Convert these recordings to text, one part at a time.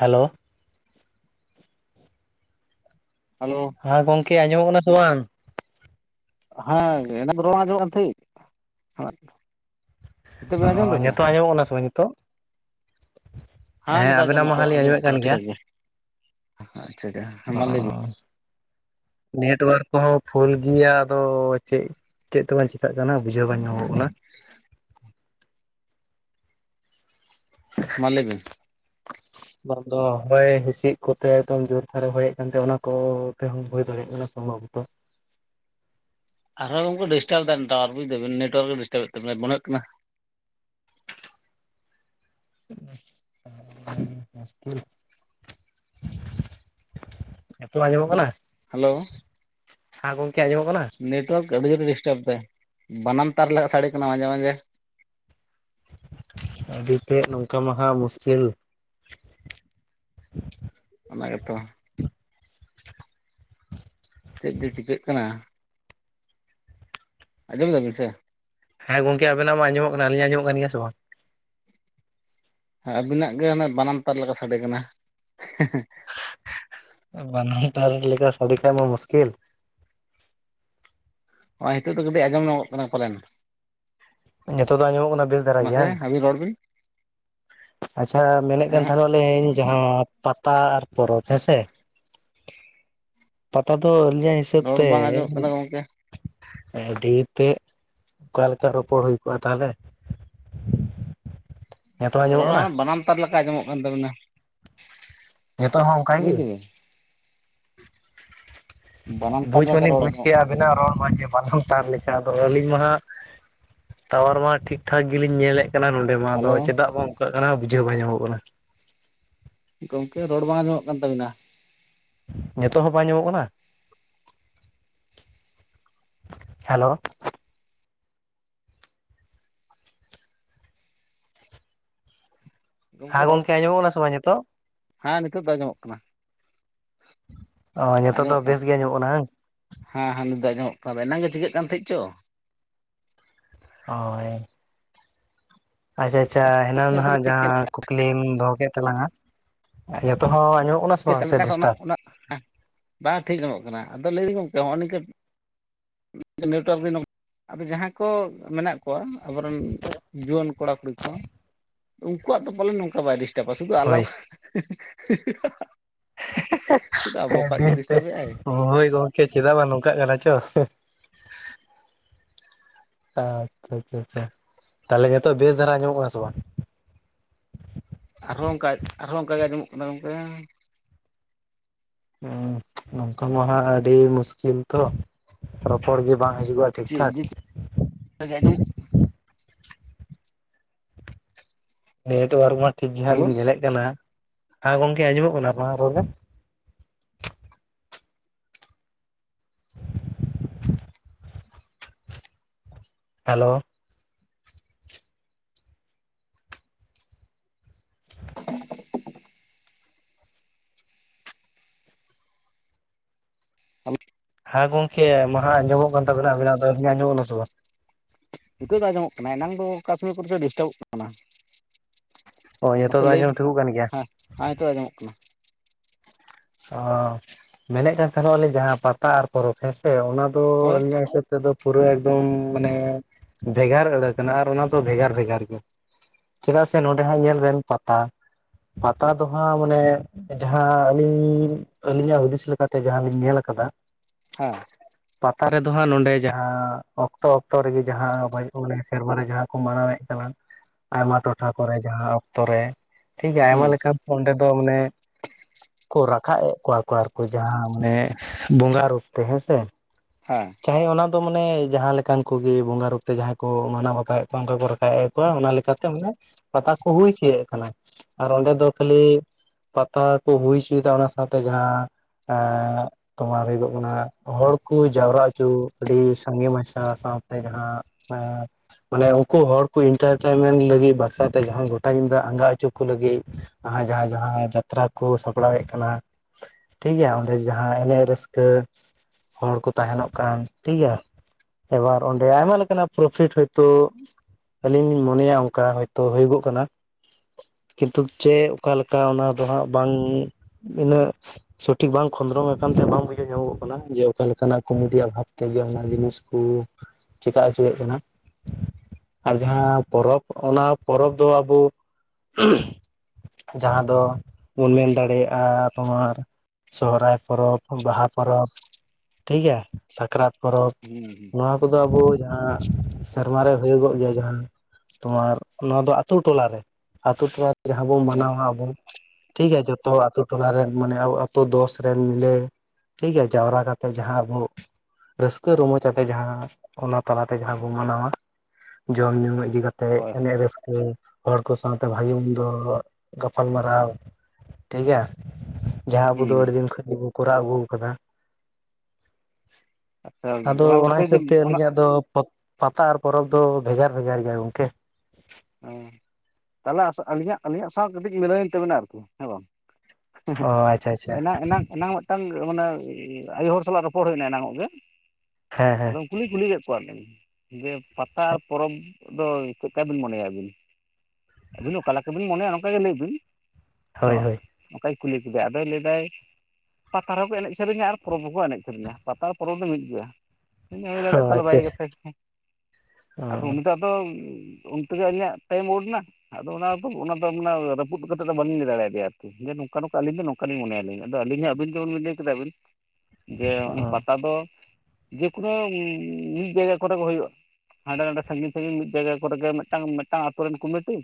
Hello hello ᱦᱮᱸ ᱜᱚᱝᱠᱮ ᱟᱸᱡᱚ ᱢᱚᱜ ᱠᱟᱱᱟ ᱥᱮ ᱵᱟᱝ? ᱦᱮᱸ ᱮᱱᱟᱝ ᱨᱚᱲ ᱟᱸᱡᱚ ᱢᱚᱜ ᱠᱟᱱ ᱛᱟᱦᱮᱸᱫ᱾ ᱱᱤᱛᱚᱜ ᱵᱮᱱ ᱟᱸᱡᱚᱢ ᱫᱟᱥᱮ? ᱱᱤᱛᱚᱜ ᱟᱸᱡᱚ ᱢᱚᱜ ᱠᱟᱱᱟ ᱥᱮᱵᱟᱝ ᱱᱤᱛᱚᱜ? ᱦᱮᱸ ᱱᱤᱛᱚᱜ ᱟᱵᱮᱱᱟᱜ ᱟᱸᱡᱚᱢᱚᱜ ᱢᱟ ᱦᱟᱸᱜ ᱞᱤᱧ ᱟᱸᱡᱚᱢᱚᱜ ᱟᱸᱡᱚᱢᱮᱫ ᱠᱟᱱ ᱠᱟᱱᱟ ᱴᱷᱤᱠ ᱜᱮᱭᱟ ᱟᱪᱪᱷᱟ ᱟᱪᱪᱷᱟ ᱦᱮᱸ ᱢᱟ ᱞᱟᱹᱭᱵᱤᱱ ᱚ ᱱᱮᱴᱣᱟᱨᱠ ᱠᱚᱦᱚᱸ ᱯᱷᱩᱞ ᱜᱮᱭᱟ ᱟᱫᱚ ᱪᱮᱫ ᱪᱮᱫ ᱛᱮ ᱵᱟᱝ ᱪᱤᱠᱟᱹᱜ ᱠᱟᱱᱟ ᱵᱩᱡᱷᱟᱹᱣ ᱵᱟᱝ ᱧᱟᱢᱚᱜ ᱠᱟᱱᱟ [inaudible] ᱢᱟ ᱞᱟᱹᱭ ᱵᱤᱱ [inaudible] ᱵᱟᱝ ᱫᱚ ᱦᱚᱭ ᱦᱤᱸᱥᱤᱫ ᱠᱚᱛᱮ ᱮᱠᱫᱚᱢ ᱡᱳᱨ ᱫᱟᱨᱮ ᱦᱚᱭᱮᱫ ᱠᱟᱱ ᱛᱟᱦᱮᱸ ᱚᱱᱟ ᱠᱚᱛᱮᱦᱚᱸ ᱦᱳᱭ ᱫᱟᱲᱮᱭᱟᱜ ᱠᱟᱱᱟ᱾ [unintelligible] ᱟᱨ ᱦᱚ ᱜᱮ ᱰᱤᱥᱴᱟᱵ ᱫᱟᱭ ᱴᱟᱣᱭᱟᱨ ᱵᱩᱡᱽ ᱫᱟᱵᱮᱱ ᱱᱮᱴᱣᱭᱟᱨᱠ ᱜᱮ ᱰᱤᱥᱴᱟᱵ ᱮ ᱛᱟᱵᱤᱱᱟ ᱢᱚᱱᱮᱜ ᱠᱟᱱᱟ᱾ [inaudible] ᱱᱤᱛᱚᱜ ᱟᱸᱡᱚᱢᱚᱜ ᱠᱟᱱᱟ? ᱦᱮᱞᱳ ᱦᱮᱸ ᱜᱚᱝᱠᱮ ᱟᱸᱡᱚᱢᱚᱜ ᱠᱟᱱᱟ᱾ ᱱᱮᱴᱣᱟᱨᱠ ᱟᱹᱰᱤ ᱡᱳᱨᱮ ᱰᱤᱥᱴᱟᱵ ᱫᱟᱭ ᱵᱟᱱᱟᱢ ᱛᱟᱨ ᱞᱮᱠᱟ ᱥᱟᱹᱲᱮ ᱠᱟᱱᱟ ᱢᱟᱡᱷᱮ ᱢᱟᱡᱷᱮ᱾ ᱟᱹᱰᱤ ᱛᱮᱫ ᱱᱚᱝᱠᱟ ᱢᱟᱦᱟ ᱢᱩᱥᱠᱤᱞ ᱚᱱᱟᱜᱮᱛᱚ᱾ ᱪᱮᱫ ᱡᱮ ᱪᱤᱠᱟᱹᱜ ᱠᱟᱱᱟ᱾ ᱟᱸᱡᱚᱢ ᱫᱟᱵᱤᱱ ᱥᱮ ᱦᱮᱸ ᱜᱚᱝᱠᱮ ᱟᱵᱮᱱᱟᱜ ᱢᱟ ᱟᱸᱡᱚᱢᱚᱜ ᱠᱟᱱᱟ᱾ ᱟᱹᱞᱤᱧᱟᱜ ᱟᱸᱡᱚᱢᱚᱜ ᱠᱟᱱ ᱜᱮᱭᱟ ᱥᱮ ᱵᱟᱝ? ᱟᱵᱤᱱᱟᱜ ᱜᱮ ᱦᱟᱱᱮ ᱵᱟᱱᱟᱢ ᱛᱟᱨ ᱞᱮᱠᱟ ᱥᱟᱰᱮ ᱠᱟᱱᱟ ᱟ ᱵᱟᱱᱟᱢ ᱛᱟᱨ ᱞᱮᱠᱟ ᱥᱟᱟᱹᱲᱮ ᱠᱷᱟᱱ ᱢᱟ ᱢᱩᱥᱠᱤᱞ ᱱᱚᱜᱼᱚᱭ ᱱᱤᱛᱚᱜ ᱫᱚ ᱠᱟᱴᱤᱡ ᱟᱸᱡᱚᱢ ᱧᱟᱢᱚᱜ ᱠᱟᱱᱟ ᱯᱟᱞᱮᱱ᱾ ᱱᱤᱛᱚᱜ ᱫᱚ ᱟᱸᱡᱚᱢᱚᱜ ᱠᱟᱱᱟ ᱵᱮᱥ ᱫᱷᱟᱨᱟ ᱜᱮ ᱵᱟᱝ ᱢᱟᱥᱮ ᱟᱹᱵᱤᱱ ᱨᱚᱲ ᱵᱤᱱ᱾ ᱟᱪᱪᱷᱟ ᱢᱮᱱᱮᱫ ᱠᱟᱱ ᱮᱸᱦᱮᱸᱜ ᱛᱟᱦᱚᱸᱞᱤᱧ ᱡᱟᱦᱟᱸ ᱯᱟᱛᱟ ᱟᱨ ᱯᱚᱨᱚᱵᱽ ᱦᱮᱸᱥᱮ ᱯᱟᱛᱟ ᱫᱚ ᱤᱧᱟᱜ ᱦᱤᱥᱟᱹᱵ ᱨᱚᱲ ᱛᱮ ᱵᱟᱝ ᱟᱸᱡᱚᱢᱚᱜ ᱠᱟᱱᱟ ᱜᱚᱝᱠᱮ ᱰᱷᱮᱨ ᱛᱮ ᱚᱠᱟᱞᱮᱠᱟ ᱨᱚᱯᱚᱲ ᱦᱩᱭᱠᱚᱜ-ᱟ ᱛᱟᱦᱚᱞᱮ? ᱱᱤᱛᱚᱜ ᱟᱸᱡᱚᱢᱚᱜ ᱠᱟᱱᱟ ᱨᱚᱲᱟᱢ ᱵᱟᱱᱟᱢ ᱛᱟᱨ ᱞᱮᱠᱟ ᱟᱸᱡᱚᱢᱚᱜ ᱠᱟᱱ ᱛᱟᱵᱮᱱᱟ᱾ ᱱᱤᱛᱚᱜ ᱦᱚᱸ ᱚᱱᱠᱟᱜ ᱜᱮ? ᱵᱟᱱᱟᱢ ᱵᱩᱡ ᱛᱟᱨᱞᱟᱠᱟ ᱢᱟᱞᱤᱧ ᱨᱚᱲ ᱵᱩᱡ ᱟᱸᱡᱚᱢᱚᱜ ᱠᱮᱫᱜ-ᱟ ᱠᱟᱱ ᱟᱵᱤᱱᱟᱜ ᱛᱟᱵᱤᱱᱟ ᱨᱚᱲ ᱢᱟ ᱡᱮ ᱵᱟᱱᱟᱢ ᱛᱟᱨ ᱟᱫᱚ ᱟᱹᱞᱤᱧ ᱢᱟ ᱦᱟᱸᱜ ᱴᱟᱣᱭᱟᱨ ᱢᱟ ᱴᱷᱤᱠ ᱴᱷᱟᱠ ᱜᱮᱞᱤᱧ ᱧᱮᱞᱮᱫ ᱠᱟᱱᱟ ᱱᱚᱱ ᱵᱮᱢᱟ ᱫᱚ ᱦᱮᱞᱳ ᱪᱮᱫᱟᱜ ᱵᱟᱝ ᱚᱱᱠᱟᱹᱜ ᱠᱟᱱᱟ ᱵᱩᱡᱷᱟᱹᱣ ᱵᱟᱝ ᱧᱟᱢᱚᱜ ᱠᱟᱱᱟ᱾ ᱜᱚᱝᱠᱮ ᱨᱚᱲ ᱵᱟᱝ ᱟᱸᱡᱚᱢᱚᱜ ᱠᱟᱱ ᱛᱟᱵᱤᱱᱟ᱾ ᱱᱤᱛᱳᱜ ᱦᱚᱸ ᱵᱟᱭᱧᱟᱢᱚᱜ ᱠᱟᱱᱟ ᱦᱮᱞᱳ ᱦᱮᱸ ᱜᱚᱝᱠᱮ ᱟᱸᱡᱚᱢᱚᱜ ᱠᱟᱱᱟ ᱥᱮ ᱵᱟᱝ ᱱᱤᱛᱚᱜ? ᱦᱮᱸ ᱱᱤᱛᱳᱜ ᱫᱚ ᱟᱸᱡᱚᱢᱚᱜ ᱠᱟᱱᱟ᱾ ᱚ ᱱᱤᱛᱚᱜ ᱫᱚ ᱟᱸᱡᱚᱢᱚᱜ ᱠᱟᱱᱟ ᱵᱮᱥ ᱜᱮ ᱟᱧᱚᱢᱚᱜ ᱠᱟᱱᱟ ᱦᱟᱝ᱾ ᱦᱮᱸ ᱦᱮᱸ ᱱᱤᱛᱚᱜ ᱟᱸᱡᱚᱢᱚᱜ ᱠᱟᱱᱟ ᱮᱱᱟᱝ ᱜᱮ ᱪᱤᱠᱟᱹᱜ ᱠᱟᱱ ᱛᱟᱦᱮᱸᱫ ᱪᱚ᱾ ᱦᱳᱭ᱾ ᱟᱪᱪᱷᱟ ᱟᱪᱪᱷᱟ, ᱦᱮᱱᱟᱱ ᱱᱟᱦᱟᱜ ᱡᱟᱦᱟᱸ ᱠᱞᱤᱢ ᱫᱚᱦᱚ ᱠᱮᱫ ᱛᱟᱞᱟᱝᱟ ᱧᱮᱛᱚᱜ ᱦᱚᱸ ᱟᱸᱡᱚᱢᱚᱜ ᱠᱟᱱᱟ ᱥᱮ ᱵᱟᱝ ᱟᱯᱮᱥᱮᱪ ᱥᱮ ᱢᱤᱫᱴᱟ ᱢᱟ ᱩᱱᱟᱹᱜ ᱰᱤᱥᱴᱟᱵᱽ ᱩᱱᱟᱹᱜ ᱦᱮᱸ, ᱵᱟᱝ ᱴᱷᱤᱠ ᱮᱢᱚᱜ ᱠᱟᱱᱟ, ᱟᱫᱚ ᱞᱟᱹᱭᱫᱟᱹᱧ ᱜᱚᱝᱠᱮ ᱦᱚᱸᱜᱼᱚ ᱱᱤᱝᱠᱟᱹ ᱱᱮᱴᱣᱟᱨᱠ [inaudible] ᱡᱟᱦᱟᱸ ᱠᱚ ᱢᱮᱱᱟᱜ ᱠᱚᱣᱟ, ᱟᱵᱚᱨᱮᱱ ᱡᱩᱣᱟᱹᱱ ᱠᱚᱲᱟ ᱠᱩᱲᱤ ᱠᱚ ᱩᱱᱠᱩᱣᱟᱜ ᱫᱚ ᱯᱟᱞᱮᱱ ᱱᱚᱝᱠᱟ ᱵᱟᱭ ᱵᱤᱥ ᱠᱮᱯᱟ ᱥᱩᱫᱩ ᱟᱞᱟᱝ ᱦᱳᱭ [unintelligible] ᱦᱳᱭ ᱟᱹᱰᱤ ᱩᱛᱟᱹᱨ ᱦᱳᱭ ᱜᱚᱝ ᱪᱮ ᱪᱮᱫᱟᱜ ᱵᱟᱝ ᱱᱚᱝᱠᱟ ᱠᱟᱱᱟ ᱪᱚ᱾ ᱟᱪᱪᱷᱟ ᱟᱪᱪᱷᱟ ᱟᱪᱷᱟ, ᱛᱟᱦᱞᱮ ᱱᱤᱛᱚᱜ ᱵᱮᱥ ᱫᱷᱟᱨᱟ ᱟᱸᱡᱚᱢᱚᱜ ᱠᱟᱱᱟ ᱥᱮ ᱵᱟᱝ? ᱟᱨᱦᱚᱸ ᱚᱱᱠᱟ ᱟᱨᱦᱚᱸ ᱚᱱᱠᱟ ᱜᱮ ᱟᱸᱚᱢᱚᱜ ᱠᱟᱱᱟ ᱜᱚᱝᱠᱮ᱾ ᱩᱸ ᱱᱚᱝᱠᱟ ᱢᱟ ᱦᱟᱸᱜ ᱟᱹᱰᱤ ᱢᱩᱥᱠᱤᱞ ᱛᱚ ᱨᱚᱯᱚᱲ ᱜᱮ ᱵᱟᱝ ᱦᱤᱡᱩᱜᱼᱟ᱾ ᱴᱷᱤᱠ ᱴᱷᱟᱠ ᱪᱮᱫ ᱪᱤ [inaudible] ᱱᱮᱴᱚᱣᱟᱨᱠ ᱢᱟ ᱴᱷᱤᱠ ᱜᱮ ᱦᱟᱸᱜ ᱦᱮᱞᱳ ᱞᱤᱧ ᱧᱮᱞᱮᱜ ᱠᱟᱱᱟ᱾ ᱟᱨ ᱜᱚᱝᱠᱮ ᱟᱸᱡᱚᱢᱚᱜ ᱠᱟᱱᱟ ᱟᱵᱟᱝ ᱨᱚᱲ ᱢᱮ? ᱦᱮᱞᱳ, [inaudible] [inaudible] ᱦᱮᱸ ᱜᱚᱝᱠᱮ ᱢᱟᱦᱟ ᱟᱸᱡᱚᱢᱚᱜ ᱠᱟᱱ ᱛᱟᱵᱮᱱᱟ ᱟᱵᱤᱱᱟᱜ ᱫᱚ᱾ ᱤᱧᱟᱹᱜ ᱟᱸᱡᱚᱢᱚᱜ ᱠᱟᱱᱟ ᱥᱮ ᱵᱟᱝ? ᱱᱤᱛᱚᱜ ᱫᱚ ᱟᱸᱡᱚᱢᱚᱜ ᱠᱟᱱᱟ ᱮᱱᱟᱝ ᱫᱚ ᱚᱠᱟ ᱥᱚᱢᱚᱭ ᱠᱚᱨᱮ ᱫᱚ ᱰᱤᱥᱴᱟᱵᱚᱜ ᱠᱟᱱᱟ᱾ ᱚ ᱱᱤᱛᱚᱜ ᱢᱟᱥᱮ ᱫᱚ ᱞᱟᱹᱭ ᱟᱸᱡᱚᱢ ᱵᱤᱱ, ᱴᱷᱤᱠᱚᱜ ᱠᱟᱱ ᱜᱮᱭᱟ ᱦᱮᱸ ᱦᱮᱸ ᱱᱮᱛᱚᱜ ᱟᱸᱡᱚᱢᱚᱜ ᱠᱟᱱᱟ᱾ ᱚ ᱢᱮᱱᱮᱫ ᱠᱟᱱ ᱛᱟᱦᱮᱱᱚ ᱟᱞᱤᱧ ᱡᱟᱦᱟᱸ ᱯᱟᱛᱟ ᱟᱨ ᱯᱚᱨᱚᱵᱽ ᱦᱮᱸᱥᱮ, ᱚᱱᱟ ᱫᱚ ᱦᱳᱭ ᱟᱹᱞᱤᱧᱟᱜ ᱦᱤᱥᱟᱹᱵ ᱛᱮ ᱫᱚ ᱯᱩᱨᱟᱹ ᱮᱠᱫᱚᱢ ᱢᱟᱱᱮ ᱵᱷᱮᱜᱟᱨ ᱟᱹᱲᱟᱹ ᱠᱟᱱᱟ ᱟᱨ ᱚᱱᱟ ᱫᱚ ᱵᱷᱮᱜᱟᱨ ᱵᱷᱮᱜᱟᱨ ᱜᱮᱭᱟ᱾ ᱪᱮᱫᱟᱜ ᱥᱮ ᱱᱚᱸᱰᱮ ᱦᱟᱸᱜ ᱧᱮᱞ ᱵᱮᱱ ᱯᱟᱛᱟ, ᱯᱟᱛᱟ ᱫᱚ ᱦᱟᱸᱜ ᱢᱟᱱᱮ ᱡᱟᱦᱟ ᱠᱤ ᱟᱹᱞᱤᱧᱟᱜ ᱦᱩᱸᱫᱤᱥ ᱞᱮᱠᱟ ᱛᱮ ᱡᱟᱦᱟ ᱞᱤᱧ ᱧᱮᱞ ᱠᱟᱫᱟ᱾ ᱦᱮᱸ᱾ ᱯᱟᱛᱟ ᱨᱮᱫᱚ ᱦᱟᱸᱜ ᱱᱚᱰᱮ ᱡᱟᱦᱟᱸ ᱚᱠᱛᱚ ᱚᱠᱛᱚ ᱨᱮ ᱜᱮ ᱡᱟᱦᱟᱸ [unintelligible] ᱥᱮᱨᱣᱟ ᱨᱮ ᱡᱟᱦᱟᱸ ᱠᱚ ᱢᱟᱱᱟᱣᱮᱜ ᱠᱟᱱᱟ, ᱟᱭᱢᱟ ᱴᱚᱴᱷᱟ ᱠᱚᱨᱮ ᱡᱟᱦᱟᱸ ᱚᱠᱛᱚ ᱨᱮ, ᱴᱷᱤᱠᱜᱮᱭᱟ ᱟᱭᱢᱟ ᱦᱩᱸ ᱞᱮᱠᱟᱱ ᱠᱚ ᱯᱚᱸᱰᱮ ᱫᱚ ᱢᱟᱱᱮ, ᱠᱚ ᱨᱟᱠᱟᱵ ᱮᱫ ᱠᱚᱣᱟ ᱠᱚ ᱟᱨᱠᱚ ᱡᱟᱦᱟᱸ ᱢᱟᱱᱮ ᱵᱚᱸᱜᱟ ᱨᱩᱯ ᱛᱮ ᱦᱮᱸ ᱥᱮ᱾ ᱦᱮᱸ᱾ ᱪᱟᱦᱮ ᱚᱱᱟ ᱫᱚ ᱢᱟᱱᱮ ᱡᱟᱦᱟᱸ ᱞᱮᱠᱟᱱ ᱠᱩᱜᱮ ᱵᱚᱸᱜᱟ ᱨᱩᱯᱛᱮ ᱡᱟᱦᱟᱸᱭ ᱠᱚ ᱢᱟᱱᱟᱣ ᱵᱟᱛᱟᱣᱮᱜ ᱠᱚᱣᱟ ᱚᱝᱠᱟ ᱠᱚ ᱨᱟᱠᱟᱭᱮᱜ ᱚᱱᱟ ᱞᱮᱠᱟᱛᱮ ᱢᱟᱱᱮ ᱯᱟᱛᱟ ᱠᱚ ᱦᱩᱭ ᱦᱚᱪᱚᱭᱮᱜ ᱠᱟᱱᱟ᱾ ᱟᱨ ᱚᱸᱰᱮ ᱫᱚ ᱠᱷᱟᱹᱞᱤ ᱯᱟᱛᱟ ᱠᱚ ᱦᱩᱭ ᱦᱚᱪᱚᱭ ᱫᱟ ᱚᱱᱟ ᱥᱟᱣ ᱛᱮ ᱡᱟᱦᱟ ᱮᱸᱻ ᱛᱳᱢᱟᱨ ᱦᱩᱭᱩᱜᱚᱜ ᱠᱟᱱᱟ ᱦᱚᱲ ᱠᱚ ᱡᱟᱣᱨᱟ ᱚᱪᱚ ᱟᱹᱰᱤ ᱥᱟᱸᱜᱮ ᱢᱟᱪᱷᱟ ᱥᱟᱶᱛᱮ ᱡᱟᱦᱟᱸ [inaudible] ᱢᱟᱱᱮ, ᱩᱱᱠᱩ ᱦᱚᱲ ᱠᱚ ᱤᱱᱴᱟᱨᱴᱮᱱᱢᱮᱱ ᱞᱟᱹᱜᱤᱫ ᱵᱟᱠᱷᱨᱟ ᱛᱮ ᱡᱟᱦᱟ ᱜᱚᱴᱟ ᱧᱤᱫᱟᱹ ᱟᱸᱜᱟ ᱦᱚᱪᱚ ᱠᱚ ᱞᱟᱹᱜᱤᱜ᱾ ᱟᱨ ᱡᱟᱦᱟᱸᱭ ᱡᱟᱦᱟᱸᱭ ᱡᱟᱛᱨᱟ ᱠᱚ ᱥᱟᱯᱲᱟᱣᱮᱫ ᱠᱟᱱᱟ᱾ ᱴᱷᱤᱠ ᱜᱮᱭᱟ, ᱚᱸᱰᱮ ᱡᱟᱦᱟ ᱮᱱᱮᱡ ᱨᱟᱹᱥᱠᱟᱹ ᱦᱚᱲ ᱠᱚ ᱛᱟᱦᱮᱸᱱᱚᱜ ᱠᱟᱱ ᱴᱷᱤᱠ ᱜᱮᱭᱟ᱾ ᱮᱵᱟᱨ ᱚᱸᱰᱮ ᱟᱭᱢᱟ ᱞᱮᱠᱟᱱᱟᱜ ᱯᱨᱚᱯᱷᱮᱴ ᱦᱳᱭ ᱛᱚ᱾ ᱟᱹᱞᱤᱧ ᱞᱤᱧ ᱢᱚᱱᱮᱭᱟ ᱚᱱᱠᱟ ᱦᱳᱭ ᱛᱚ ᱦᱳᱭᱳ ᱜᱚᱜ ᱠᱟᱱᱟ᱾ ᱠᱤᱱᱛᱩ ᱪᱮᱫ ᱚᱠᱟ ᱞᱮᱠᱟ ᱚᱱᱟ ᱫᱚ ᱦᱟᱸᱜ ᱵᱟᱝ ᱤᱱᱟᱹᱜ ᱥᱚᱴᱷᱤᱠ ᱵᱟᱝ ᱠᱷᱚᱸᱫᱽᱨᱚᱝ ᱟᱠᱟᱱ ᱛᱮ ᱵᱟᱝ ᱵᱩᱡᱷᱟᱹᱣ ᱧᱟᱢᱚᱜ ᱠᱟᱱᱟ ᱡᱮ ᱚᱠᱟ ᱞᱮᱠᱟᱱᱟᱜ ᱠᱚᱢᱮᱰᱤ ᱵᱷᱟᱵ ᱛᱮᱜᱮ ᱚᱱᱟ ᱡᱤᱱᱤᱥ᱾ ᱦᱩᱸ ᱮᱫᱟ ᱦᱚᱪᱚᱭᱮᱜ ᱠᱟᱱᱟ ᱾ ᱟᱨ ᱡᱟᱦᱟᱸ ᱯᱚᱨᱚᱵᱽ, ᱚᱱᱟ ᱯᱚᱨᱚᱵᱽ ᱫᱚ ᱟᱵᱚ ᱡᱟᱦᱟᱸ ᱫᱚ ᱵᱚᱱ ᱢᱮᱱ ᱫᱟᱲᱮᱭᱟᱜᱼᱟ᱾ ᱟᱸ ᱛᱳᱢᱟᱨ ᱥᱚᱦᱚᱨᱟᱭ ᱯᱚᱨᱚᱵᱽ ᱵᱟᱦᱟ ᱯᱚᱨᱵᱽ ᱴᱷᱤᱠ ᱜᱮᱭᱟ ᱥᱟᱠᱨᱟᱛ ᱯᱚᱨᱚᱵᱽ ᱦᱩᱸ ᱱᱚᱣᱟ ᱠᱚᱫᱚ ᱟᱵᱚ ᱡᱟᱦᱟ ᱥᱮᱨᱣᱟ ᱨᱮ ᱦᱳᱭᱳᱜᱚᱜ ᱜᱮᱭᱟ ᱡᱟᱦᱟ ᱛᱳᱢᱟᱨ ᱱᱚᱣᱟ ᱫᱚ ᱟᱛᱳ ᱴᱚᱞᱟ ᱨᱮ ᱟᱛᱳ ᱴᱚᱞᱟ ᱨᱮ ᱡᱟᱦᱟᱸ ᱵᱚ ᱦᱮᱸ ᱢᱟᱱᱟᱣᱟ ᱟᱵᱚ, ᱴᱷᱤᱠ ᱜᱮᱭᱟ ᱡᱚᱛᱚ ᱟᱛᱳ ᱴᱚᱞᱟ ᱨᱮᱱ ᱢᱟᱱᱮ ᱟᱛᱳ ᱫᱚᱥ ᱨᱮᱱ ᱢᱤᱞᱮ ᱴᱷᱤᱠᱜᱮᱭᱟ ᱡᱟᱣᱨᱟ ᱠᱟᱛᱮᱜ ᱡᱟᱦᱟᱸ ᱟᱵᱚᱼᱼ ᱨᱟᱹᱥᱠᱟᱹ ᱨᱚᱢᱚᱡ ᱟᱛᱮ ᱡᱟᱦᱟᱸ ᱚᱱᱟ ᱛᱟᱞᱟᱛᱮ ᱡᱟᱦᱟᱸ ᱵᱚ ᱢᱟᱱᱟᱣᱟ ᱡᱚᱢ ᱧᱩ ᱤᱫᱤ ᱠᱟᱛ ᱛᱮ ᱦᱳᱭ ᱦᱳᱭ ᱮᱱᱮᱡ ᱨᱟᱹᱥᱠᱟᱹᱭ ᱦᱚᱲ ᱠᱚ ᱥᱟᱶᱛᱮ ᱵᱷᱟᱜᱤ ᱢᱚᱱᱫᱚ ᱜᱟᱯᱟᱞ ᱢᱟᱨᱟᱨᱟᱣ ᱴᱷᱤᱠ ᱜᱮᱭᱟ᱾ ᱡᱟᱸᱦᱟ ᱟᱵᱚ ᱫᱚ ᱦᱩᱸ ᱟᱹᱰᱤ ᱫᱤᱱ ᱠᱷᱚᱱ ᱜᱮᱵᱚᱱ ᱠᱚᱨᱟᱣ ᱟᱹᱜᱩ ᱟᱠᱟᱫᱟ ᱟᱪᱪᱷᱟ ᱟᱫᱚ ᱚᱱᱟ ᱞᱮᱠᱟᱛᱮ ᱡᱩᱫᱤ ᱦᱤᱥᱟᱹᱵᱛᱮ ᱚᱱᱟ ᱟᱹᱞᱤᱧᱟᱜ ᱫᱚ ᱯᱟᱛᱟ, ᱟᱨ ᱯᱚᱨᱚᱵᱽ, ᱫᱚ ᱵᱷᱮᱜᱟᱨ, ᱵᱷᱮᱜᱟᱨ ᱜᱮᱭᱟ ᱜᱚᱝᱠᱮ᱾ ᱛᱟᱦᱚᱞᱮ ᱟᱹᱞᱤᱧᱟᱜ ᱟᱹᱞᱤᱧᱟᱜ ᱥᱟᱶ ᱠᱟᱹᱴᱤᱡ ᱢᱤᱞᱟᱹᱣ ᱛᱟᱵᱮᱱᱟ ᱟᱨᱠᱤ ᱦᱮᱸ ᱵᱟᱝ? ᱚ ᱟᱪᱪᱷᱟ ᱟᱪᱪᱷᱟ ᱮᱱᱟ ᱮᱱᱟᱝ ᱮᱱᱟᱝᱚᱜ ᱴᱟᱝ ᱢᱟᱱᱮ ᱟᱭᱩ ᱦᱚᱲ ᱥᱟᱞᱟᱜ ᱨᱚᱯᱚᱲ ᱦᱩᱭ ᱮᱱᱟ ᱮᱱᱟᱝᱚᱜ ᱜᱮ ᱦᱮᱸ ᱦᱮᱸ ᱟᱫᱚ ᱠᱩᱞᱤ ᱠᱩᱞᱤᱠᱮᱫ ᱠᱚᱣᱟᱞᱤᱧ ᱡᱮ ᱯᱟᱛᱟ ᱟᱨ ᱯᱚᱨᱚᱵᱽ ᱫᱚ ᱪᱮᱫ ᱞᱮᱠᱟᱵᱤᱱ ᱢᱚᱱᱮᱭᱟ᱾ ᱟᱹᱵᱤᱱ ᱚᱠᱟ ᱞᱮᱠᱟᱵᱤᱱ ᱢᱚᱱᱮᱭᱟ ᱱᱚᱝᱠᱟ ᱞᱟᱹᱭ ᱵᱤᱱ ᱦᱮᱸ ᱦᱳᱭ ᱵᱟᱝ᱾ ᱦᱳᱭ ᱚᱱᱠᱟᱭ ᱠᱩᱞᱤ ᱠᱮᱫᱮᱭᱟ ᱟᱫᱚᱭ ᱞᱟᱹᱭ ᱫᱟᱭ ᱯᱟᱛᱟ ᱨᱮᱠᱚ ᱮᱱᱮᱡ ᱥᱮᱨᱮᱧᱟ ᱟᱨ ᱯᱚᱨᱚᱵᱽ ᱦᱚᱸᱠᱚ ᱮᱱᱮᱡ ᱥᱮᱨᱮᱧᱟ ᱯᱟᱛᱟ ᱯᱚᱨᱚᱵᱽ ᱫᱚ ᱢᱤᱫ ᱜᱮᱭᱟ᱾ ᱦᱩᱭ ᱚ ᱫᱟᱲᱮᱭᱟᱜᱼᱟ ᱛᱟᱦᱚᱞᱮ ᱵᱟᱭ ᱟᱪᱪᱷᱟ ᱠᱟᱛᱷᱟᱜᱮ ᱚ ᱟᱫᱚ ᱩᱱᱤ ᱫᱚ ᱟᱫᱚ ᱛᱮᱜᱮ ᱤᱧᱟᱹᱜ ᱴᱟᱭᱤᱢ ᱩᱰ ᱮᱱᱟ ᱟᱫᱚ ᱚᱱᱟ ᱚᱱᱟ ᱫᱚ ᱨᱟᱹᱯᱩᱫ ᱠᱟᱛᱮᱫ ᱫᱚ ᱵᱟᱹᱧ ᱞᱟᱹᱭ ᱫᱟᱲᱮᱭᱟᱫᱮᱭᱟ ᱟᱨᱠᱤ᱾ ᱡᱮ ᱱᱚᱝᱠᱟ ᱱᱚᱠᱟ ᱟᱹᱞᱤᱧ ᱫᱚ ᱱᱚᱝᱠᱟᱞᱤᱤᱧ ᱢᱚᱱᱭᱟᱞᱤᱧ ᱟᱫᱚ ᱟᱹᱞᱤᱧ ᱟᱹᱵᱤᱱ ᱜᱮᱵᱚᱱ ᱵᱤᱱ ᱞᱟᱹᱭ ᱠᱮᱫᱟᱵᱤᱱ ᱡᱮ ᱚ ᱚᱸᱚᱭ ᱯᱟᱛᱟ ᱫᱚ ᱡᱮᱠᱳᱱᱳ ᱢᱤᱫ ᱡᱟᱭᱜᱟ ᱠᱚᱨᱮᱜᱮ ᱦᱩᱭᱩᱜᱼᱟ ᱦᱟᱸᱰᱮ ᱱᱟᱰᱮ ᱥᱟᱹᱜᱤᱧ ᱥᱟᱹᱜᱤᱧ ᱢᱤᱫ ᱡᱟᱭᱜᱟ ᱠᱚᱨᱮᱜᱮ ᱢᱤᱫᱴᱟᱝ ᱢᱤᱫᱴᱟᱝ ᱟᱛᱳ ᱨᱮᱱ ᱠᱚᱢᱤᱴᱤ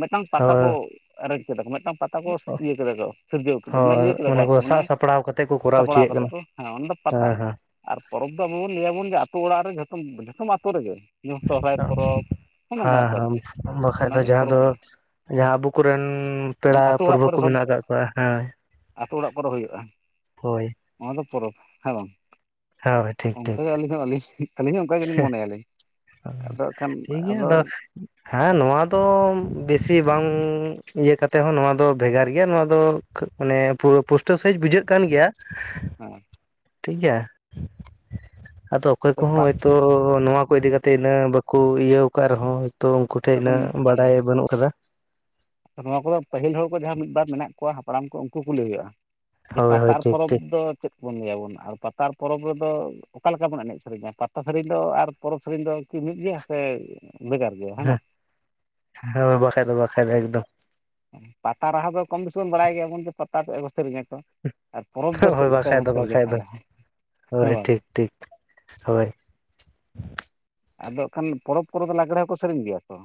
ᱢᱤᱫᱴᱟᱝ ᱯᱟᱛᱟ ᱠᱚ ᱦᱳᱭ ᱮᱨᱮᱧᱡᱽ ᱠᱮᱫᱟ ᱠᱚ ᱢᱤᱫᱴᱟᱝ ᱯᱟᱛᱟ ᱠᱚ ᱤᱭᱟᱹ ᱠᱮᱫᱟ ᱠᱚ ᱥᱤᱨᱡᱟᱹᱣ ᱠᱮᱫᱟ ᱢᱟᱱᱮ ᱦᱳᱭ ᱤᱭᱟᱹ ᱠᱮᱫᱟ ᱠᱚ ᱟᱨᱠᱤ ᱢᱟᱱᱮ ᱥᱟᱵ ᱥᱟᱯᱲᱟᱣ ᱠᱟᱛᱮᱫ ᱠᱚ ᱠᱚᱨᱟᱣ ᱥᱟᱯᱲᱟᱣ ᱦᱚᱪᱚᱭᱮᱫ ᱠᱟᱛᱮ ᱠᱟᱱᱟ ᱠᱚ᱾ ᱦᱮᱸ ᱚᱱᱟ ᱫᱚ ᱯᱟᱛᱟ ᱦᱮᱸ ᱦᱮᱸ ᱟᱨ ᱯᱚᱨᱚᱵᱽ ᱫᱚ ᱟᱵᱚ ᱵᱚᱱ ᱞᱟᱹᱭ ᱟᱵᱚᱱ ᱡᱮ ᱟᱹᱛᱩ ᱚᱲᱟᱜ ᱨᱮ ᱡᱚᱛᱚ ᱡᱚᱛᱚᱢ ᱟᱛᱳ ᱨᱮᱜᱮ ᱥᱚᱨᱦᱟᱭ ᱯᱚᱨᱚᱵᱽ ᱱᱚᱜᱼᱚ ᱱᱚᱝᱠᱟᱱᱟᱜ᱾ ᱠᱚ ᱟᱢ ᱟᱨᱠᱤ ᱵᱟᱠᱷᱟ ᱚᱱᱟ ᱫᱚ ᱡᱟᱸᱦᱟᱸ ᱯᱚᱨᱚᱵᱽ ᱫᱚ ᱵᱚᱱ ᱡᱟᱸᱦᱟᱸ ᱟᱵᱚ ᱠᱚᱨᱮᱱ ᱯᱮᱲᱟ ᱯᱚᱨᱵᱷᱟᱹ ᱠᱚ ᱢᱮᱱᱟᱜ ᱟᱠᱟᱜ ᱠᱚᱣᱟ, ᱦᱮᱸ᱾ ᱟᱹᱛᱳ ᱚᱲᱟᱜ ᱠᱚᱨᱮ ᱦᱩᱭᱩᱜᱼᱟ᱾ ᱦᱳᱭ᱾ ᱱᱚᱣᱟ ᱫᱚ ᱯᱚᱨᱚᱵᱽ, ᱦᱮᱸ ᱵᱟᱝ, ᱦᱳᱭ ᱴᱷᱤᱠ ᱴᱷᱤᱠ ᱚᱱᱠᱟᱜᱮ ᱟᱹᱞᱤᱧ ᱦᱚᱸ [unintelligible] ᱟᱹᱞᱤᱧ᱾ ᱟᱹᱞᱤᱧ ᱦᱚᱸ ᱚᱱᱠᱟ ᱜᱮᱞᱤᱧ ᱢᱚᱱᱮᱭᱟᱞᱤᱧ᱾ ᱚ ᱟᱫᱚ ᱦᱟᱸᱜ ᱠᱷᱟᱱ ᱴᱷᱤᱠ ᱜᱮᱭᱟ ᱟᱫᱚ᱾ ᱦᱮᱸ ᱱᱚᱣᱟ ᱫᱚ ᱵᱮᱥᱤ ᱵᱟᱝ ᱤᱭᱟᱹ ᱠᱟᱛᱮ ᱦᱚᱸ ᱱᱚᱣᱟ ᱫᱚ ᱵᱷᱮᱜᱟᱨ ᱜᱮᱭᱟ ᱱᱚᱣᱟ ᱫᱚ ᱢᱟᱱᱮ ᱯᱳᱥᱴᱟᱹᱣ ᱥᱟᱭᱤᱡᱽ ᱵᱩᱡᱷᱟᱹᱜ ᱠᱟᱱ ᱜᱮᱭᱟ᱾ ᱦ [unintelligible] ᱴᱷᱤᱠ ᱜᱮᱭᱟ, ᱟᱫᱚ ᱚᱠᱚᱭ ᱠᱚᱦᱚᱸ ᱯᱟᱛ ᱦᱚᱭᱛᱳ ᱱᱚᱣᱟ ᱠᱚ ᱤᱫᱤ ᱠᱟᱛᱮ ᱤᱱᱟᱹ ᱵᱟᱠᱚ ᱤᱭᱟᱹᱣ ᱟᱠᱟᱫ ᱨᱮᱦᱚᱸ ᱦᱚᱭᱛᱚ ᱩᱱᱠᱩ ᱴᱷᱮᱱ ᱟᱫᱚ ᱤᱱᱟᱹᱜ ᱵᱟᱰᱟᱭ ᱵᱟᱹᱱᱩᱜ ᱟᱠᱟᱫᱟ᱾ ᱱᱚᱣᱟ ᱠᱚᱫᱚ ᱯᱟᱹᱦᱤᱞ ᱦᱚᱲ ᱠᱚ ᱡᱟᱸᱦᱟᱸ ᱢᱤᱫᱵᱟᱨ ᱢᱮᱱᱟᱜ ᱠᱚᱣᱟ ᱦᱟᱯᱲᱟᱢ ᱠᱚ ᱩᱱᱠᱩ ᱠᱩᱞᱤ ᱦᱩᱭᱩᱜᱼᱟ᱾ ᱡᱮ ᱦᱳᱭ ᱯᱟᱛᱟ ᱦᱳᱭ ᱟᱨ ᱴᱷᱤᱠ ᱯᱚᱨᱚᱵᱽ ᱴᱷᱤᱠ ᱫᱚ ᱪᱮᱫ ᱠᱚᱵᱚᱱ ᱞᱟᱹᱭ ᱟᱵᱚᱱ ᱟᱨ ᱯᱟᱛᱟ ᱟᱨ ᱯᱚᱨᱚᱵᱽ ᱨᱮᱫᱚ ᱚᱠᱟ ᱞᱮᱠᱟ ᱵᱚᱱ ᱮᱱᱮᱡ ᱥᱮᱨᱮᱧᱟ, ᱯᱟᱛᱟ ᱥᱮᱨᱮᱧ ᱫᱚ ᱟᱨ ᱯᱚᱨᱚᱵᱽ ᱥᱮᱨᱮᱧ ᱫᱚ ᱠᱤ ᱢᱤᱫ ᱜᱮᱭᱟ ᱥᱮ ᱵᱷᱮᱜᱟᱨ ᱜᱮᱭᱟ? ᱦᱮᱸ ᱦᱮᱸ, ᱦᱮ ᱵᱟᱠᱟᱱ ᱫᱚ ᱵᱟᱠᱟᱱ ᱫᱚ ᱮᱠᱫᱚᱢ᱾ ᱯᱟᱛᱟ ᱨᱟᱦᱟ ᱫᱚ ᱠᱚᱢ ᱵᱮᱥᱤ ᱵᱚᱱ ᱵᱟᱲᱟᱭ ᱜᱮᱭᱟᱵᱚᱱ ᱡᱮ ᱯᱟᱛᱟ [unintelligible] ᱥᱮᱨᱮᱧᱟ ᱛᱚ᱾ ᱯᱚᱨᱚᱵᱽ ᱫᱚ ᱪᱮᱫ ᱦᱳᱭ ᱞᱮᱠᱟ ᱵᱟᱠᱷᱟᱡ ᱵᱚᱱ ᱫᱚ ᱥᱮᱨᱮᱧ ᱜᱮᱭᱟ ᱵᱟᱠᱷᱟᱡ ᱫᱚ ᱛᱟᱦᱚᱞᱮ ᱦᱮᱸ ᱦᱳᱭ ᱵᱟᱝ᱾ ᱴᱷᱤᱠ ᱴᱷᱤᱠ, ᱦᱳᱭ᱾ ᱟᱫᱚᱜ ᱠᱷᱟᱱ ᱯᱚᱨᱚᱵᱽ ᱠᱚᱨᱮ ᱫᱚ ᱞᱟᱜᱽᱲᱮ ᱦᱚᱸ ᱠᱚ ᱥᱮᱨᱮᱧ ᱜᱮᱭᱟ ᱛᱚ᱾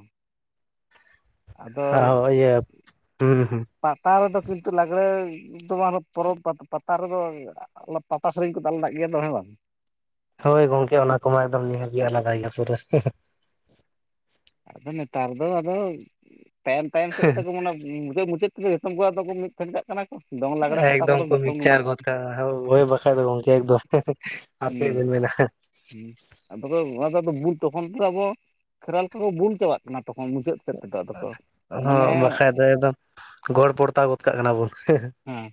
ᱟ ᱤᱭᱟᱹ ᱦᱩᱸ ᱦᱩᱸ᱾ ᱯᱟᱛᱟ ᱨᱮᱫᱚ ᱠᱤᱱᱛᱩ ᱞᱟᱜᱽᱲᱮ ᱫᱚ ᱯᱚᱨᱚᱵᱽ ᱯᱟᱛᱟ, ᱯᱟᱛᱟ ᱨᱮᱫᱚ ᱵᱟᱝ ᱦᱩᱭᱩᱜ-ᱟ᱾ ᱯᱟᱛᱟ ᱥᱮᱨᱮᱧ ᱠᱚᱫᱚ ᱟᱞᱟᱫᱟ ᱜᱮᱭᱟ ᱛᱚ ᱦᱮᱸ ᱵᱟᱝ? ᱦᱳᱭ ᱜᱚᱝᱠᱮ ᱚᱱᱟ ᱠᱚᱢᱟ ᱮᱠᱫᱚᱢ ᱱᱤᱦᱟ. ᱛ ᱜᱮ ᱟᱞᱟᱫᱟ ᱜᱮᱭᱟ ᱯᱩᱨᱟ. ᱾ᱦᱟ ᱦᱟ ᱟᱫᱚ ᱱᱮᱛᱟᱨ ᱫᱚ ᱟᱫᱚ ᱛᱟᱭᱚᱢ ᱛᱟᱭᱚᱢ ᱥᱮᱫ ᱛᱮᱠᱚ ᱢᱟᱱᱮ ᱢᱩᱪᱟᱹᱫ ᱢᱩᱪᱟᱹᱫ ᱛᱮᱜᱮ ᱡᱚᱛᱚᱢ ᱟᱫᱚ ᱠᱚ ᱫᱚ [unintelligible] ᱮᱠᱫᱚᱢ ᱠᱚ ᱜᱮ ᱢᱤᱫ ᱢᱤᱠᱪᱟᱨ ᱜᱚᱫᱠᱟᱜ- ᱟ, ᱦᱳᱭ, ᱦᱳᱭ ᱵᱟᱠᱷᱟᱱ ᱫᱚ ᱜᱚᱢᱠᱮ ᱮᱠᱫᱚᱢ᱾ᱦᱮ ᱦᱮ ᱟᱨ ᱪᱮᱫ ᱵᱟᱹᱱ ᱢᱮᱱᱟ᱾ ᱦᱮᱸ ᱟᱫᱚ ᱚᱱᱟ ᱛᱚᱠᱷᱚᱱ ᱟᱵᱚ ᱠᱷᱮᱨᱣᱟᱹᱞ ᱠᱚ ᱵᱩᱞ ᱪᱟᱵᱟᱜ ᱠᱟᱱᱟ, ᱛᱚᱠᱷᱚᱱ ᱢᱩᱪᱟᱹᱫ ᱥᱮᱫ ᱛᱮᱫᱚ ᱟᱫᱚ ᱠᱚ ᱢᱟᱱᱮ ᱦᱚᱸ ᱵᱟᱠᱷᱟᱡ ᱫᱚ ᱮᱠᱫᱚᱢ ᱜᱚᱲ ᱯᱚᱲᱚᱛᱟ ᱜᱚᱫ ᱠᱟᱜ ᱠᱟᱱᱟ ᱵᱚᱱ᱾ᱦᱮ ᱦᱮ ᱦᱮᱸ,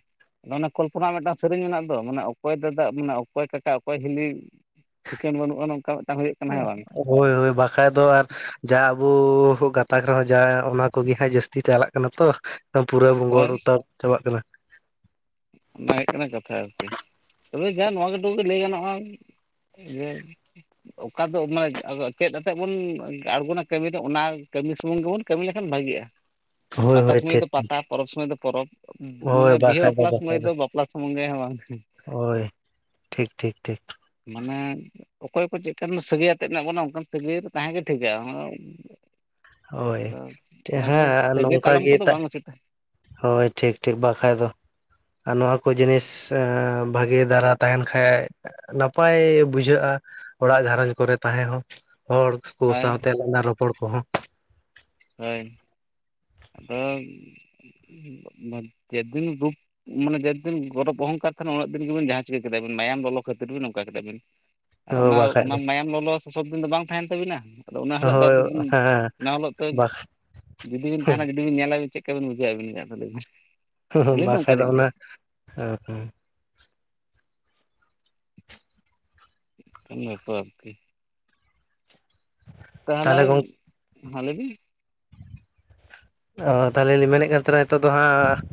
ᱟᱫᱚ ᱚᱱᱮ ᱠᱚᱞᱯᱚᱱᱟ ᱢᱤᱫᱴᱟᱝ ᱥᱮᱨᱮᱧ ᱢᱮᱱᱟᱜ ᱫᱚ ᱢᱟᱱᱮ ᱚᱠᱚᱭ ᱫᱟᱫᱟ ᱢᱟᱱᱮ ᱚᱠᱚᱭ ᱠᱟᱠᱟ ᱚᱠᱚᱭ ᱦᱤᱞᱤ ᱴᱷᱤᱠᱟᱹᱱ ᱵᱟᱹᱱᱩᱜ-ᱟ ᱱᱚᱝᱠᱟ ᱢᱤᱫᱴᱟᱝ ᱦᱩᱭᱩᱜ-ᱟ᱾ ᱦᱳᱭ ᱦᱳᱭ ᱵᱟᱠᱷᱟᱡ ᱫᱚ ᱟᱨ ᱡᱟ ᱟᱵᱚ ᱜᱟᱛᱟᱠ ᱨᱮᱦᱚᱸ ᱡᱟ ᱚᱱᱟ ᱠᱚᱜᱮ ᱦᱟᱸᱜ ᱡᱟᱹᱥᱛᱤ ᱪᱟᱞᱟᱜ ᱠᱟᱱᱟ ᱛᱚ᱾ ᱯᱩᱨᱟᱹ ᱵᱚᱝᱜᱚᱞ ᱦᱳᱭ ᱛᱟᱵ ᱩᱛᱟᱨ ᱪᱟᱵᱟᱜ ᱠᱟᱱᱟ᱾ ᱚᱱᱟ ᱜᱮ ᱦᱩᱭᱩᱜ ᱠᱟᱱᱟ ᱠᱟᱛᱷᱟ ᱟᱨᱠᱤ ᱛᱚᱵᱮ ᱡᱟ ᱱᱚᱣᱟ ᱴᱩᱠᱩ ᱜᱮ ᱞᱟᱹᱭ ᱜᱟᱱᱚᱜ-ᱟ, [unintelligible] ᱚᱠᱟ ᱫᱚ ᱢᱟᱱᱮ ᱪᱮᱫ ᱟᱛᱮᱫ ᱵᱚᱱ ᱟᱬᱜᱚᱱᱟ ᱠᱟᱹᱢᱤ ᱫᱚ ᱚᱱᱟ ᱠᱟᱹᱢᱤ ᱥᱩᱢᱩᱝ ᱜᱮᱵᱚᱱ ᱠᱟᱹᱢᱤ ᱞᱮᱠᱷᱟᱱ ᱵᱷᱟᱜᱤᱜ-ᱟ, ᱦᱳᱭ ᱯᱟᱛᱟ ᱦᱳᱭ ᱥᱚᱢᱚᱭ ᱴᱷᱤᱠ ᱫᱚ ᱴᱷᱤᱠ ᱯᱟᱛᱟ ᱯᱚᱨᱚᱵᱽ ᱥᱚᱢᱚᱭ ᱫᱚ ᱯᱚᱨᱚᱵᱽ ᱢᱟᱱᱮ ᱦᱳᱭ ᱵᱤᱦᱟᱹ ᱵᱟᱠᱷᱟᱡ ᱵᱟᱯᱞᱟ ᱥᱚᱢᱚᱭ ᱵᱟᱠᱷᱟᱡ ᱫᱚ ᱵᱟᱯᱞᱟ ᱥᱩᱢᱩᱝ ᱜᱮ ᱦᱚᱸ ᱵᱟᱝ, ᱦᱳᱭ ᱴᱷᱤᱠ ᱴᱷᱤᱠ ᱴᱷᱤᱠ ᱢᱟᱱᱮ ᱚᱠᱚᱭ ᱠᱚ ᱪᱮᱫᱠᱟᱱ ᱥᱟᱹᱜᱟᱹᱭ ᱟᱛᱮᱫ ᱢᱮᱱᱟᱜ ᱵᱚᱱᱟ ᱚᱱᱠᱟᱱ ᱥᱟᱹᱜᱟᱹᱭ ᱛᱟᱦᱮᱸ ᱜᱮ ᱴᱷᱤᱠᱟ᱾ [unintelligible] ᱦᱳᱭ ᱟᱫᱚ ᱚᱱᱟ ᱠᱚ ᱦᱮᱸ ᱥᱟᱹᱜᱟᱹᱭ ᱱᱚᱝᱠᱟ ᱛᱟᱞᱟᱝ ᱜᱮ ᱠᱚᱫᱚ ᱛᱟᱜ ᱵᱟᱝ ᱩᱪᱤᱛ ᱦᱳᱭ, ᱴᱷᱤᱠ ᱴᱷᱤᱠ,, ᱵᱟᱠᱷᱟᱡ ᱫᱚ! ᱟᱨ ᱱᱚᱣᱟ ᱠᱚ ᱡᱤᱱᱤᱥ, ᱵᱷᱟᱹᱜᱤ ᱫᱷᱟᱨᱟ ᱛᱟᱦᱮᱱ ᱠᱷᱟᱡ ᱱᱟᱯᱟᱭ ᱵᱩᱡᱷᱟᱹᱜ-ᱟ ᱾ ᱚᱲᱟᱜ ᱜᱷᱟᱨᱚᱸᱡᱽ ᱠᱚᱨᱮ, ᱛᱟᱦᱮᱸ ᱦᱚᱸ ᱦᱚᱲ ᱾ ᱠᱩ, ᱦᱳᱭ ᱥᱟᱶᱛᱮ ᱞᱟᱸᱫᱟ ᱨᱚᱯᱚᱲ ᱠᱚᱦᱚᱸ ᱾ ᱦᱳᱭ, ᱟᱫᱚ ᱡᱮᱫᱤᱱ ᱨᱩᱯ [unintelligible] ᱢᱟᱱᱮ, ᱡᱮ ᱫᱤᱱ ᱜᱚᱨᱚᱵᱽ ᱚᱦᱚᱝᱠᱟᱨ ᱛᱟᱦᱮᱱᱟ ᱾ ᱩᱱᱟᱹᱜ ᱫᱤᱱ ᱜᱮᱵᱤᱱ, ᱡᱟᱦᱟᱸ ᱪᱤᱠᱟᱹ ᱠᱮᱫᱟ ᱵᱤᱱ, ᱢᱟᱭᱟᱢ ᱞᱚᱞᱚ ᱠᱷᱟᱹᱛᱤᱨ ᱵᱤᱱ, ᱚᱱᱠᱟ ᱠᱮᱫᱟ ᱵᱤᱱ ᱾ ᱟᱨ ᱚᱱᱟ, ᱵᱟᱠᱷᱟᱡ ᱚᱱᱟ ᱫᱚ ᱢᱟᱭᱟᱢ ᱞᱚᱞᱚ, ᱥᱚᱵ ᱫᱤᱱ ᱫᱚ ᱵᱟᱝ ᱛᱟᱦᱮᱱ, ᱛᱟᱹᱵᱤᱱᱟ ᱟᱫᱚ ᱾ ᱚᱱᱟ ᱦᱤᱞᱳᱜ ᱫᱚ ᱦᱳᱭ ᱦᱮᱸ [unintelligible] ᱴᱤᱠ, ᱵᱟᱠ ᱡᱩᱫᱤ ᱵᱮᱱ ᱛᱟᱦᱮᱱᱟ ᱾ ᱡᱩᱫᱤ ᱵᱤᱱ ᱧᱮᱞᱟ ᱾ ᱪᱮᱫ? ᱞᱮᱠᱟᱵᱤᱱ ᱵᱩᱡᱷᱟᱹᱣ ᱟᱵᱤᱱ? ᱞᱟᱹᱭ ᱢᱮ ᱾ ᱦᱩᱼᱦᱟ. ᱼᱣ ᱵᱟᱠᱷᱟᱡ ᱫᱚ, ᱚᱱᱟ ᱦᱚᱸᱼᱦᱟᱸ ᱩᱱᱟ. ᱥ ᱥᱚ ᱟᱥᱥᱤ [unintelligible] ᱛᱟᱦᱚᱞᱮ ᱛᱟᱼᱦᱟᱞᱟ. ᱜᱚᱝ ᱭ, ᱵᱷᱞᱤᱜᱮ? ᱚᱻ, ᱛᱟᱦᱚᱞᱮ, ᱞᱤᱧ ᱢᱮᱱᱮᱫ ᱠᱟᱱ ᱛᱟᱦᱮᱱᱟ ᱾ ᱱᱤᱛᱚᱜ ᱫᱚ ᱦᱟᱸᱜ,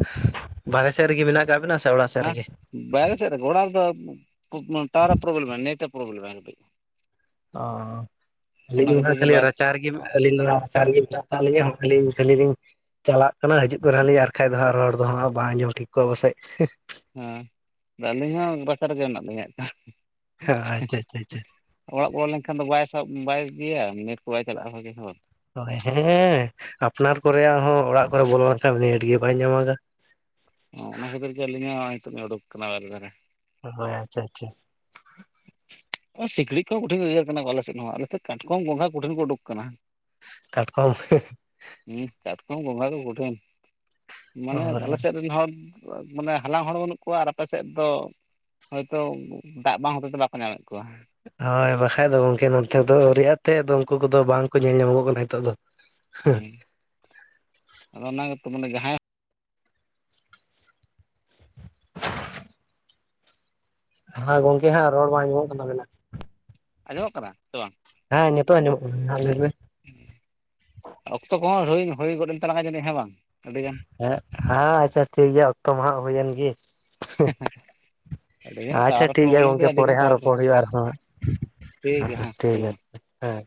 ᱵᱟᱨᱦᱮ ᱥᱮᱫ ᱨᱮᱜᱮ, ᱢᱮᱱᱟᱜ ᱟᱠᱟᱫ ᱵᱮᱱᱟ ᱥᱮ, ᱚᱲᱟᱜ ᱥᱮᱫ ᱦᱮᱸ ᱨᱮᱜᱮ? ᱵᱟᱭᱨᱮ ᱥᱮᱫ ᱨᱮ ᱜᱮ, ᱚᱲᱟᱜ ᱨᱮ ᱫᱚ ᱴᱟᱣᱟᱨ ᱮ, ᱯᱚᱨᱚᱵᱞᱮᱢᱼᱟ ᱾ ᱱᱮᱴ ᱮ ᱯᱚᱨᱚᱵᱞᱮᱢ ᱢᱟ, ᱠᱟᱴᱤᱡ ᱾ ᱚᱻ, ᱟᱹᱞᱤᱧ ᱚᱱᱟ ᱠᱷᱟᱹᱛᱤᱨ ᱜᱮ ᱠᱷᱟᱹᱞᱤ ᱵᱟᱨ ᱨᱟᱪᱟ ᱨᱮᱜᱮ ᱾ ᱟᱹᱞᱤᱧ ᱫᱚ ᱨᱟᱪᱟ ᱨᱮᱜᱮ ᱫᱚᱦᱚ ᱟᱠᱟᱫ ᱞᱤᱧᱟ ᱦᱚᱲ ᱠᱚ [unintelligible] ᱪᱟᱞᱟᱜ ᱠᱟᱱᱟ, ᱦᱤᱡᱩᱜ ᱠᱟᱱᱟ ᱞᱤᱧ, ᱟᱨ ᱠᱷᱟᱡ ᱫᱚ ᱦᱟᱸᱜ, ᱨᱚᱲ ᱫᱚ ᱦᱟᱸᱜ ᱵᱟᱝ ᱟᱡᱚᱢ ᱴᱷᱤᱠ ᱠᱚᱜ-ᱟ, ᱯᱟᱥᱮᱡ? ᱦᱟᱺᱜ ᱾ ᱦᱮᱸ, ᱟᱹᱞᱤᱧ ᱦᱚᱸ ᱵᱟᱠᱮ ᱨᱮᱜᱮ, ᱢᱮᱱᱟᱜ ᱞᱤᱧ, ᱦᱟᱸᱦ ᱦᱮᱸ, ᱟᱻᱪᱟ, ᱟᱪᱟ ᱟᱪᱟ ᱾ ᱚᱲᱟᱜ ᱵᱚᱞᱚ ᱞᱮᱱᱠᱷᱟᱱ ᱫᱚ, ᱵᱟᱭ ᱥᱟᱵ, ᱵᱟᱭ ᱜᱮᱭᱟ, ᱱᱮᱴ ᱠᱚ, ᱵᱟᱭ ᱪᱟᱞᱟᱜᱼᱟ, ᱵᱷᱟᱜᱤ ᱦᱚᱸ ᱾ ᱦᱳ, ᱦᱮᱸᱻᱦᱮᱸᱻᱦᱮ ᱾ ᱟᱯᱱᱟᱨ ᱠᱚᱨᱮ ᱦᱚᱸ ᱚᱲᱟᱜ ᱠᱚᱨᱮ ᱵᱚᱞᱚ ᱞᱮᱱᱠᱷᱟᱱ, ᱩᱱᱤ ᱟᱸᱴ ᱜᱮ ᱵᱟᱭ ᱧᱟᱢᱟᱜᱟ? ᱚᱼ ᱚᱱᱟ ᱠᱷᱟᱹᱛᱤᱨ ᱜᱮ, ᱟᱹᱞᱤᱧ ᱦᱚᱸ ᱱᱤᱛᱚᱜ ᱞᱤᱧ, ᱩᱰᱩᱠ ᱟᱠᱟᱱᱟ ᱵᱟᱨ ᱫᱷᱟᱨᱮ ᱾ ᱦᱳᱭ! ᱟᱪᱪᱟ, ᱟᱪᱪᱟ ᱾ ᱥᱤᱸᱠᱲᱤᱡ ᱠᱚᱦᱚᱸ ᱠᱚᱴᱷᱤᱱ ᱠᱚ, ᱜᱮᱜᱮᱨ ᱠᱟᱱᱟ ᱾ ᱟᱞᱮ ᱥᱮᱫ ᱦᱚᱸ᱾ ᱟᱞᱮ ᱥᱮᱫ ᱠᱟᱴᱠᱚᱢ, ᱜᱚᱸᱜᱷᱟ ᱠᱚᱴᱷᱤᱱ ᱠᱚ, ᱩᱰᱩᱠ ᱟᱠᱟᱱᱟ ᱾ ᱠᱟᱴᱠᱚᱢ, ᱦᱦᱟᱸᱦ ᱾ ᱦᱩᱸ, ᱠᱟᱴᱠᱚᱢ ᱜᱚᱸᱝᱜᱷᱟ ᱠᱚ ᱠᱚᱴᱷᱤᱱ, ᱢᱟᱱᱮ, ᱦᱳᱭ ᱟᱞᱮ ᱥᱮᱫ ᱨᱮᱱ ᱦᱚᱲ! ᱣᱵ, ᱢᱟᱱᱮ, ᱦᱟᱞᱟᱝ ᱦᱚᱲ ᱵᱟᱹᱱᱩᱜ ᱠᱚᱣᱟ ᱾ ᱟᱨ ᱟᱯᱮ ᱥᱮᱫ ᱫᱚ? ᱦᱳᱭ ᱛᱳ ᱫᱟᱜ ᱵᱟᱝ ᱦᱚᱛᱮ ᱛᱮ, ᱵᱟᱠᱚ ᱧᱟᱢᱮᱫ ᱠᱚᱣᱟ‌ ᱾ ᱦᱳᱭ ᱵᱟᱠᱷᱟᱡ ᱫᱚ, ᱜᱚᱢᱠᱮ ᱱᱚᱛᱮ ᱫᱚ, ᱟᱹᱣᱨᱤᱭᱟᱜ ᱛᱮᱫ ᱫᱚ, ᱩᱱᱠᱩ ᱠᱚᱫᱚ, ᱵᱟᱝ ᱠᱚ ᱧᱮᱞ ᱧᱟᱢᱚᱜᱚᱜ ᱠᱟᱱᱟ, ᱱᱤᱛᱚᱜ ᱫᱚ ᱾ [inaudible] ᱟᱫᱚ, ᱚᱱᱟ ᱜᱮᱛᱚ, ᱡᱟᱦᱟᱸᱭ ᱦᱟᱸ, ᱜᱚᱝᱠᱮ ᱦᱟᱸᱜ ᱾ ᱨᱚᱲ ᱵᱟᱝ ᱟᱡᱚᱢᱚᱜ ᱠᱟᱱᱟ᱾ [inaudible] ᱟᱸᱡᱚᱢᱚᱜ ᱠᱟᱱᱟ ᱥᱮ ᱵᱟᱝ? ᱦᱮᱸᱻ, ᱱᱤᱛᱚᱜ ᱟᱸᱡᱚᱜ ᱠᱟᱱᱟ ᱦᱟᱸᱜ, ᱞᱟᱹᱭ ᱢᱮ ᱾ ᱚᱠᱛᱚ ᱠᱚᱦᱚᱸ, ᱦᱩᱭᱮᱱ, ᱦᱩᱭ ᱜᱚᱫ ᱮᱱᱟ ᱛᱟᱞᱟᱝ ᱡᱟᱹᱱᱤᱡ ᱦᱮᱸ ᱵᱟᱝ? ᱟᱹᱰᱤᱜᱟᱱ ᱾ ᱦᱮᱸᱼ ᱦᱟᱸ, ᱟᱪᱪᱷᱟ ᱴᱷᱤᱠᱜᱮᱭᱟ ᱾ᱚᱠᱛᱚ ᱢᱟ ᱦᱟᱸᱜ ᱦᱩᱭᱮᱱ ᱜᱮ ᱾ [unintelligible] ᱟᱹᱰᱤᱜᱟᱱ ᱟᱪᱪᱷᱟ! ᱴᱟᱣᱟᱨ ᱴᱷᱤᱠ ᱜᱮᱭᱟ ᱯᱨᱚᱵᱞᱮᱢ ᱜᱚᱝᱠᱮ, ᱠᱮᱫᱟ ᱯᱚᱨᱮ ᱟᱹᱰᱤᱜᱟᱱ ᱦᱟᱸᱜ ᱨᱚᱲ ᱠᱚ ᱨᱚᱯᱚᱲ ᱦᱩᱭᱩᱜ-ᱟ ᱾ ᱦᱮᱸ ᱟᱨᱦᱚᱸ, ᱴᱷᱤᱠ ᱜᱮᱭᱟ ᱦᱮᱸ ᱴᱷᱤᱠ ᱪᱚᱞᱚ ᱜᱮᱭᱟ ᱾ ᱦᱮᱸ᱾